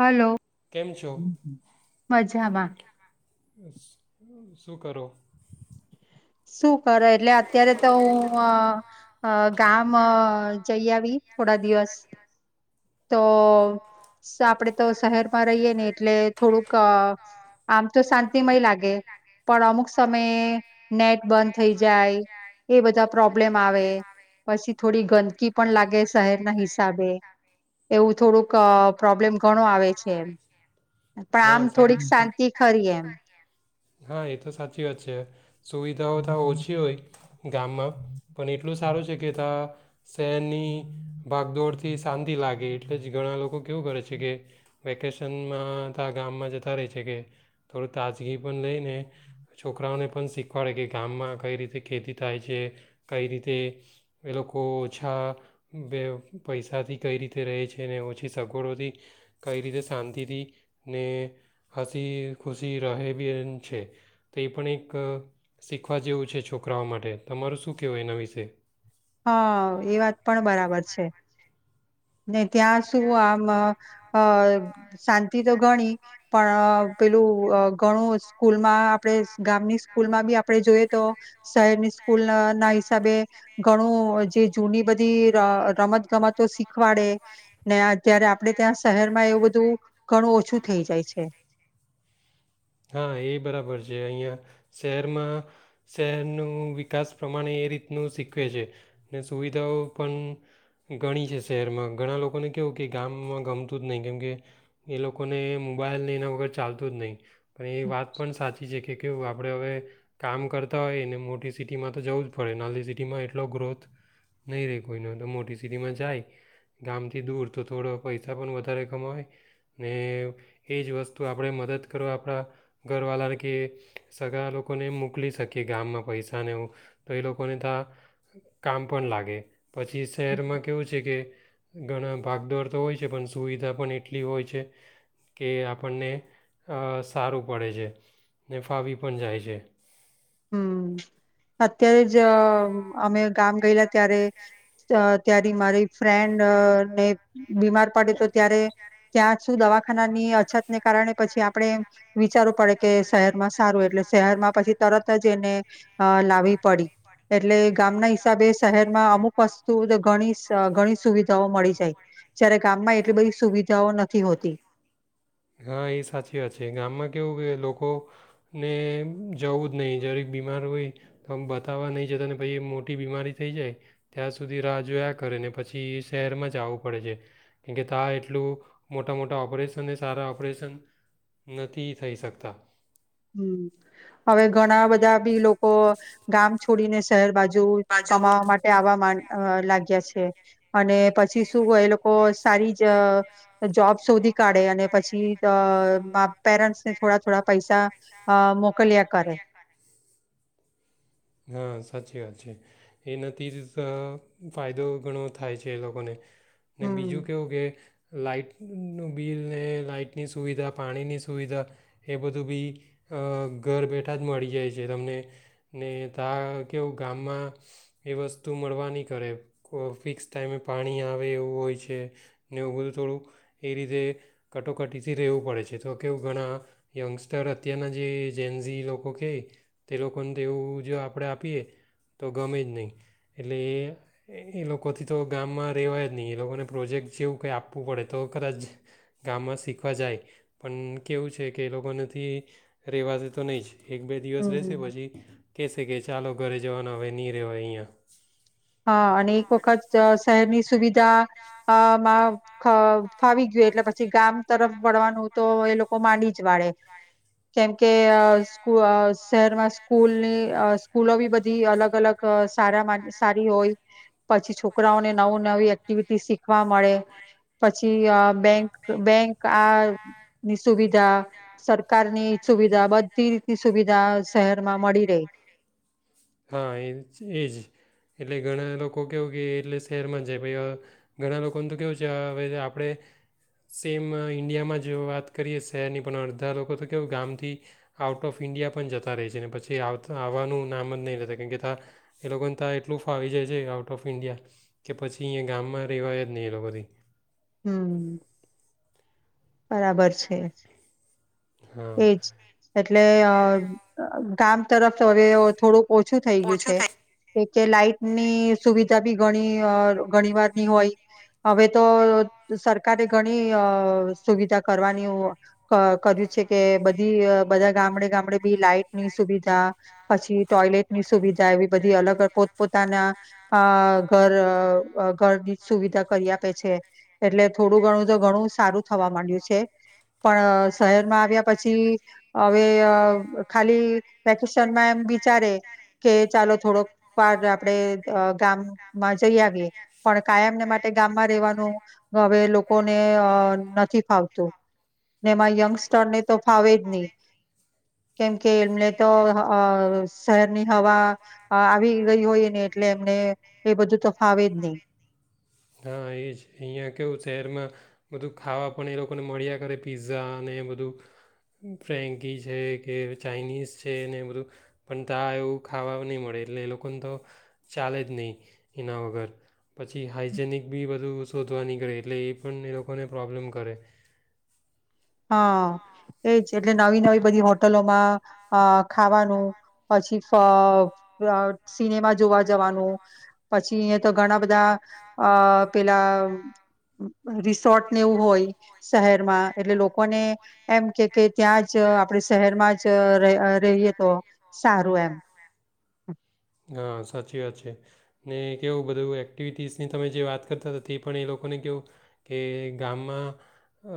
Hello કેમ છો? મજામાં. શું કરો? શું કરો એટલે અત્યારે તો હું ગામ જઈ આવી. થોડા દિવસ. તો આપડે તો શહેરમાં રહીયએ ને એટલે થોડુંક, આમ તો શાંતિમય લાગે, પણ અમુક સમયે નેટ બંધ થઈ જાય એ બધા પ્રોબ્લેમ આવે, પછી થોડી ગંદકી પણ લાગે શહેરના હિસ્સા સાબે. એવું થોડુંક પ્રોબ્લેમ ઘણો આવે છે એમ, પણ આમ હા સા થોડીક શાંતિ ખરી એમ. હા એ તો સાચી વાત છે સુવિધાઓ તા ઓછી હોય. ગામમા. પણ એટલું સારું છે કે ત્યા, શહેરની ભાગદોડથી શાંતિ લાગે એટલે જ ઘણા લોકો કેવું કરે છે કે વેકેશનમાં તો ગામમાં જતા રહે છે, કે થોડું તાજગી પણ લઈને છોકરાઓને પણ શીખવાડે કે ગામમાં કઈ રીતે ખેતી થાય છે, કઈ રીતે એ લોકો ઓછા બે પૈસાથી કઈ રીતે રહે છે ને ઓછી સગવડોથી કઈ રીતે શાંતિથી ને હસી ખુશી રહે બી છે તો એ પણ એક શીખવા જેવું છે છોકરાઓ માટે. તમારું શું કહેવું એના વિશે? હા એ વાત પણ બરાબર છે. ને ત્યાં શું આમ અ અ શાંતિ તો ગણી પણ પેલું અ ઘણું સ્કૂલમાં આપણેે ગામની સ્કૂલમાં બી આપડે જોઈએ તો શહેરની સ્કૂલ ના હિસાબે ઘણું જે જૂની બધી ર રમત, ગમતો શીખવાડે ને ત્યારે આપણે ત્યાં શહેરમાં એવું બધું ઘણું ઓછું થઈ જાય છે. હા એ બરાબર છે અહીંયા શહેરમાં, શહેરનું વિકાસ પ્રમાણે એ રીતનું શીખવે છે, ને સુવિધાઓ પણ ગણી છે શહેરમાં, ઘણા લોકોને કેવું કે ગામમાં ગમતું જ નહી કેમકે, એ લોકોને મોબાઈલ ને એના વગર ચાલતું જ નહી. પણ એ વાત પણ સાચી છે કે કેવું આપણે હવે, કામ કરતા હોય ને મોટી સિટીમાં તો જવું જ પડે નાની સિટીમાં એટલો ગ્રોથ નહીં રહે કોઈનો તો મોટી સિટીમાં જાય, ગામથી દૂર તો થોડો પૈસા પણ વધારે કમાય, ને એ જ વસ્તુ આપણે મદદ કરવા આપણા, ઘરવાળા કે સગા લોકોને મોકલી શકીએ ગામમાં પૈસાને એવું, તો એ લોકોને તો કામ પણ લાગે. પછી શહેરમાં કેવું છે કે ઘણા ભાગદોડ તો હોય છે પણ સુવિધા પણ એટલી હોય છે, કે આપણને અ સારું પડે છે, ને ફાવી પણ જાય છે. હમ અત્યારે જ અમે ગામ ગયેલા ત્યારે, ત્યારે મારી ફ્રેન્ડ ને બીમાર પડે તો ત્યારે ત્યાં શું દવાખાનાની અછતને કારણે પછી આપણે વિચારવું પડે કે શહેરમાં સારું એટલે શહેરમાં પછી તરત અજ એને અ, લાવવી પડી, એટલે ગામના ઈ સાબે શહેરમાં અમુક વસ્તુણી ઘણી સુવિધાઓ મળી જાય, જય્યારે ગામમાં એટલી બધી સુવિધાઓ નથી હોતી. હા એ ને જવું જ નહીં જ્યારે બીમાર હોય, તો આ બતાવવા નહી જતાને પછ મોટી બીમારી થઈ જાય, ત્યાં સુધી રાહ જોયા કરે ને પછી શહેરમાં જ આવવું પડે છે, કેમ કે ત એટલું મોટા-મોટા ઓપરેશન સારા ઓપરેશન નથી થઈ શકતા. હમ, હવે ઘણા બધા બી લોકો, ગામ છોડીને શહેર બાજુ જો કમાવા માટે આવા માં લાગ્યા છે. અને પછી સી શુ હોય એ લોકો સારી જ જોબ શોધી કાઢે અને પછી પેરેન્ટ્સ ને થોડા થોડા પઇસા મોકલ્યા કરે. હા સાચી વાત છે, એના જ ફાયદો ઘણો થાય છે એ લોકોને ને હમ બીજું કેવું કે લાાઈટનું બિલને લાાઈટની સુવિધા પાણીની સુવિધા, એ બધું બી ઘર બેઠા જ મળી જાય છે તમને ને તા કેવું ગામમાં, એ વસ્તુ મળવા નહીં, કરે ફિક્સ ટાઈમે પાણી આવે એવું હોય છે, ને એવું બધું થોડું એ રીતે કટોકટીથી રહેવું પડે છે, તો કેવું ઘણા યંગસ્ટર અત્યારના જે જેન્ઝ લોકો કેય, તે લોકોને તેવું જો આપણે આપીએ, તો ગમે જ નહીં, એટલે એ એ લોકોથી તો ગામમાં રહેવાય જ નહીં એ લોકોને પ્રોજેક્ટ જેવું કંઈ આપવું પડે તો કદાચ ગામમાં શીખવા જાય, પણ કેવું છે કે એ લોકોનેથી રહેવાથી તો નહીં જ. એક બે દિવસ રહેશે હમ પછી કેસે કે ચાલો ઘરે જવાનું હવે ની રેવા અહીંયા. હા અને એક વખત શહેરની સુવિધા અમાં ફા ફાવી ગયું એટલે પછી ગામ તરફ વળવાનું તો એ લોકો માંડી જ વાળે. કેમકે અ સ્કૂ શહેરમાં સ્કૂલની સ્કૂલો બી બધી અલગ અલગ સારા માં સારી હોય પછી છોકરાઓને નવું નવી એક્ટિવિટી શીખવા મળે, પછી બેંક-બેંક આ ની સુવિધા સરકારની સુ બધી રીતની સુવિધા શહેરમાં મળી રેય. હા એ જ- એ જ એટલે ઘણા લોકો કેવું કે એટલે શહેરમાં જે બી અ ઘણા લોકોનું તો કેવું છે હ, આપણે સેમ ઇન્ડિયામાં જ વાત કરીએ શહેરની પણ અડધા લોકો તો કેવું ગામથી આઉટ ઓફ ઈન્ડિયા પણ જતા રહે છે. ને પછી આવતા આવવાનું નામ જ નહીં લેતા કેમ કે ત એ લોકોને ત એટલું ફાવી જાય છે, આઉટ ઓફ ઈન્ડિયા કે પછી અહીંયા ગામમાં રહેવાય જ નહીં એ લોકોથી. હમ્મ. બરાબર છે. હા એજ એટલે અ ગામ તરફ [unintelligible] થોડુંક ઓછું થઈ ગયું છે. એક કે લાાઈટની સુવિધા બી ગણી ગણી વારની હોય હવે તો સરકારે ઘણી અ સુવિધા કરવાની અ કર્યું છે. કે બધી અ બધા ગામડે ગામડે બી લાાઈટ ની સુવિધા પછી ટોયલેટની સુવિધા એવી બધી અલગ પોતપોતાના અ ઘર અ ઘરની સુવિધા કરી આપે છે. એટલે થોડું ઘણું તો ઘણું સારું થવા માંડ્યું છે. પણ શહેરમાં આવ્યા પછી હવે અ ખાલી વેકેશનમાં એમ વિચારે કે ચાલો થોડોક વાર આપણેે અ ગામમાં જઈ આવીએ પણ કાયમને માટે ગામમાં રેવાનું હવે લોકોને અ નથી ફાવતું ને એમાં યંગસ્ટરને તો ફાવે જ નહી કેમ કે એમને તો અ શહેરની હવા અ આવી ગઈ હોય ને એટલે એમને એ બધું તો ફાવે જ ની. હા એ જ અહીંયા કેવું શહેરમાં બધું ખાવા પણ એ લોકોને મળ્યા કરે પીઝા ને એ બધું ફ્રેન્કી છે કે ચાાઈનીઝ છે ને એ બધું પણ ત એવું ખાવા નહીં મળે એટલે એ લોકોને તો ચાલે જ નહીં એના વગર પછી હાઈ જેનિક બી બધું શોધવા નીકળે એટલે એ પણ એ લોકોને પ્રોબ્લેમ કરે. હા એજ એટલે નવી નવી બધી હોટલોમાં અ ખાવાનું પછી ફ સિનેમા જોવા જવાનું પછી અહીંયા તો ઘણા બધા અ પેલા રિસોર્ટ ને એવું હોય શહેરમાં એટલે લોક લોકોને એમ કે કે ત્યાં જ આપણે શહેરમાં જ રહી રહીએ તો સારું એમ. હા સાચી વાત છે ને કવું બધું એક્ટિવિટીઝની તમે જે વાત કરતા હતા તે પણ એ લોકોને કેવું કે ગામમાં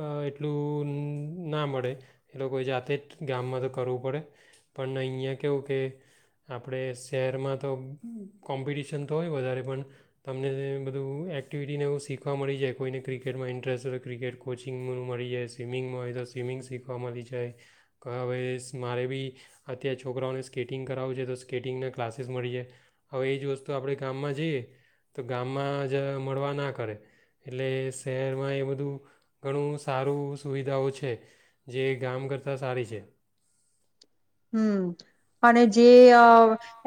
અ એટલું ના મળે એ લોકોએ જાતે જ ગામમાં તો કરવું પડે પણ અહીંયા કેવું કે આપણે શહેરમાં તો કોમ્પિટિશન તો હોય વધારે પણ તમને બધું એક્ટિવિટીને એવું શીખવા મળી જાય કોઈને ક્રિકેટમાં ઇન્ટરેસ્ટ હોય ક્રિકેટ કોચિંગ મળી જાય સ્વિમિંગમાં હોય તો સ્વિમિંગ શીખવા મળી જાય [unintelligible] મારે બી અત્યારે છોકરાઓને સ્કેટિંગ કરાવું છે. તો સ્કેટિંગને ક્લાસીસ મળી જાય હવે એ જ વસ્તુ આપણે ગામમાં જઈએ તો ગામમાં જ મળવા ના કરે એટલે શહેરમાં એ બધું ઘણું સારું સુવિધાઓ છે જે ગામ કરતાં સારી છે. હમ્મ. અને જે અ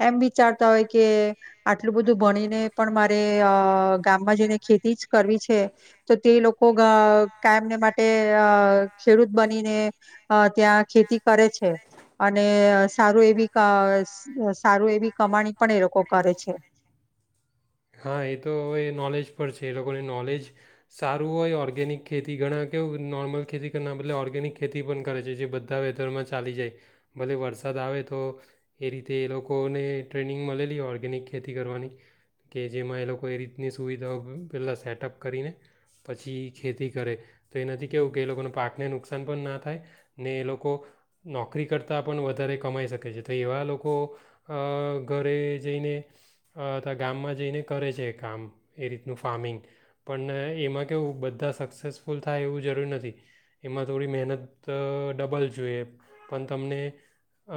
એમ વિચારતા હોય કે આટલું બધું ભણીને પણ મારે અ ગામમાં જઈને ખેતી જ કરવી છે. તો તે લોકો અ કાયમને માટે અ ખેડૂત બનીને ત્યાં ખેતી કરે છે. અને સારું એવી ક સારું એવી કમાણી પણ એ લોકો કરે છે. હા એ તો હવે નોલેજ પર છે. એ લોકોને નોલેજ સારું હોય ઓર્ગેનિક ખેતી ઘણા કેવું નોર્મલ ખેતી કર બદલે ઓર્ગેનિક ખેતી પણ કરે છે. જે બધા વેધરમાં ચાલી જાય ભલે વરસાદ આવે તો એ રીતે એ લોકોને ટ્રેનિંગ મળેલી હો ઓર્ગેનિક ખેતી કરવાની કે જેમાં એ લોકો એ રીતની સુવિધાઓ હુ પહેલાં સેટઅપ કરીને પછી ખેતી કરે તો એનાથી કેવું કે એ લોકોના પાકને નુકસાન પણ ના થાય ને એ લોકો નોકરી કરતાં પણ વધારે કમાઈ શકે છે. તો એવા લોકો ઘરે જઈને ગામમાં જઈને કરે છે કામ એ રીતનું ફાર્મિંગ પણ એમાં કેવું બધા સક્સેસફુલ થાય એવું જરૂર નથી એમાં થોડી મહેનત ડબલ જોઈએ પણ તમને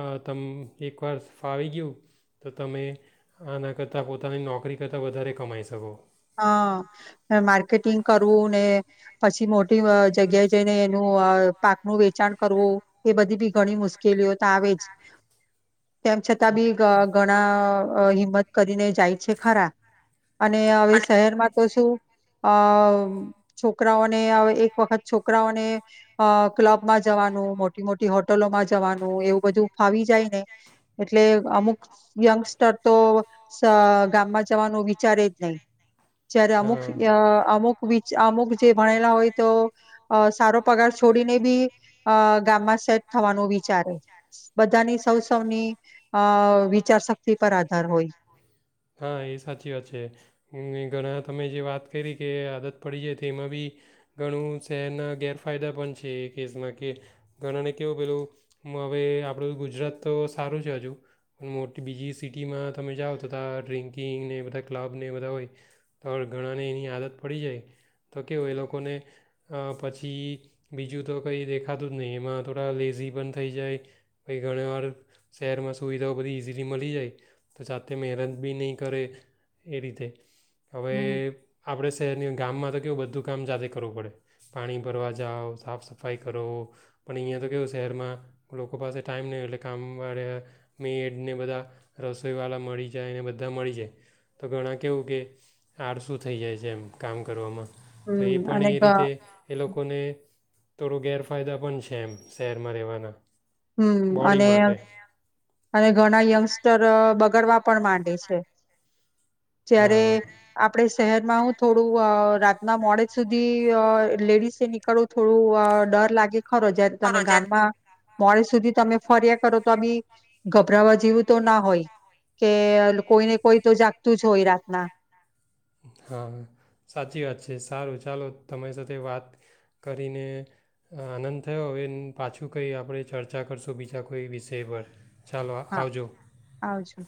અ તમ એકવાર ફાવી ગીયુ તો તમે આના કરતાં [unintelligible] [unintelligible] નોકરી કરતા વધારે કમાય શકો. હ માર્કેટિંગ કરવું ને પછી મોટી જગ્યાએ જઈને એનું અ પાકનું વેચાણ કરવું એ બધી બી ઘણી મુશ્કેલીઓ તો આવે જ. તેમ છતાં બી ધ ઘણા હિંમત કરીને જાય છે ખરા અને હવે શહેરમાં તો શું અ છોકરાઓને અવ એક વખત છોકરાઓને અ ક્લબ માં જવાનું મોટી મોટી હોટલોમાં જવાનું એવું બધું ફાવી જાય ને એ એટલે અમુક યંગસ્ટર તો સ ગામમાં જવાનું વિચારે જ નહી. જય્યારે અમુક હા અ અમુક વિચ અમુક જે ભણેલા હોય તો અ સારો પગાર છોડીને બી અ ગામમાં સેટ થવાનું વિચારે બધાની સૌ સૌની અ વિચારશક્તિ પર આધાર હોય હા એ સાચી વાત છે ઘણા તમે જે વાત કરી કે આદત પડી જાય તેમાં બી ઘણું શહેરના ગેર ફાયદા પણ છે એ કેસમાં કે ઘણાને કેહેવું પેલું હવે આપણું ગુજરાત તો સારું છે હજુ પણ મોટી બીજી સિટીમાં તમે જાઓ તતાં ડ્રિન્કિંગને બધા ક્લબને એ બધા હોય તો ઘણાને એની આદત પડી જાય તો કેવુંય એ લોકોને પછી બીજું તો કંઈ દેખાતું જ નહીં એમાં થોડા લેઝી પણ થઈ જાય કઈ ઘણા વાર શહેરમાં સુવિધાઓ બધી ઈઝીલી મળી જાય તો જા મહેનત બી નહીં કરે એ રીતે હવે હમ્મ. આપડ શહેરની અંદર ગામમાં તો કેવું બધું કામ જાતે કરવું પડે, પાણી ભરવા જાઓ, સાફ સફાઈ કરો, પણ અહીંયા તો કેવું શહેરમાં લોકો પાસે ટાઈમ નહીં હોય, એટલે કામવાળા મેડને બધા રસોઈવાળા મળી જાય ને બધા મળી જાય, તો ઘણા કેવું કે આડશું થઈ જાય છે, એમ કામ કરવામાં તો એ હમ્મ પણ અને એ ગ રીતે એ લોકો થોડું ગેરફાયદા પણ છે એમ, શહેરમાં રહેવાના હમ્મ બોડી અને માટે અને ઘણા યંગસ્ટર બગડવા પણ માંડ છે. જયારે હા આપડે શહેર માં હું થોડું રાતના મોડે સુધી અહ લેડીસએ નીકળવું થોડું ડર લાગે ખરો જ્યારે તમે ગામમાં મોડ સુધી તમે ફર્યા કરો તો ભી ગભરાવા જેવું તો ના હોય, કે કોઈને કોઈ તો જાગતું જ હોય રાતના હા, સાચી વાત છે. સારું ચાલો તમારી સાથે વાત કરીને આનંદ થયો, હવે પાછું કંઈ આપણે ચર્ચા કરશું બીજા કોઈ વિષય પર ચાલો હા આવજો આવજો.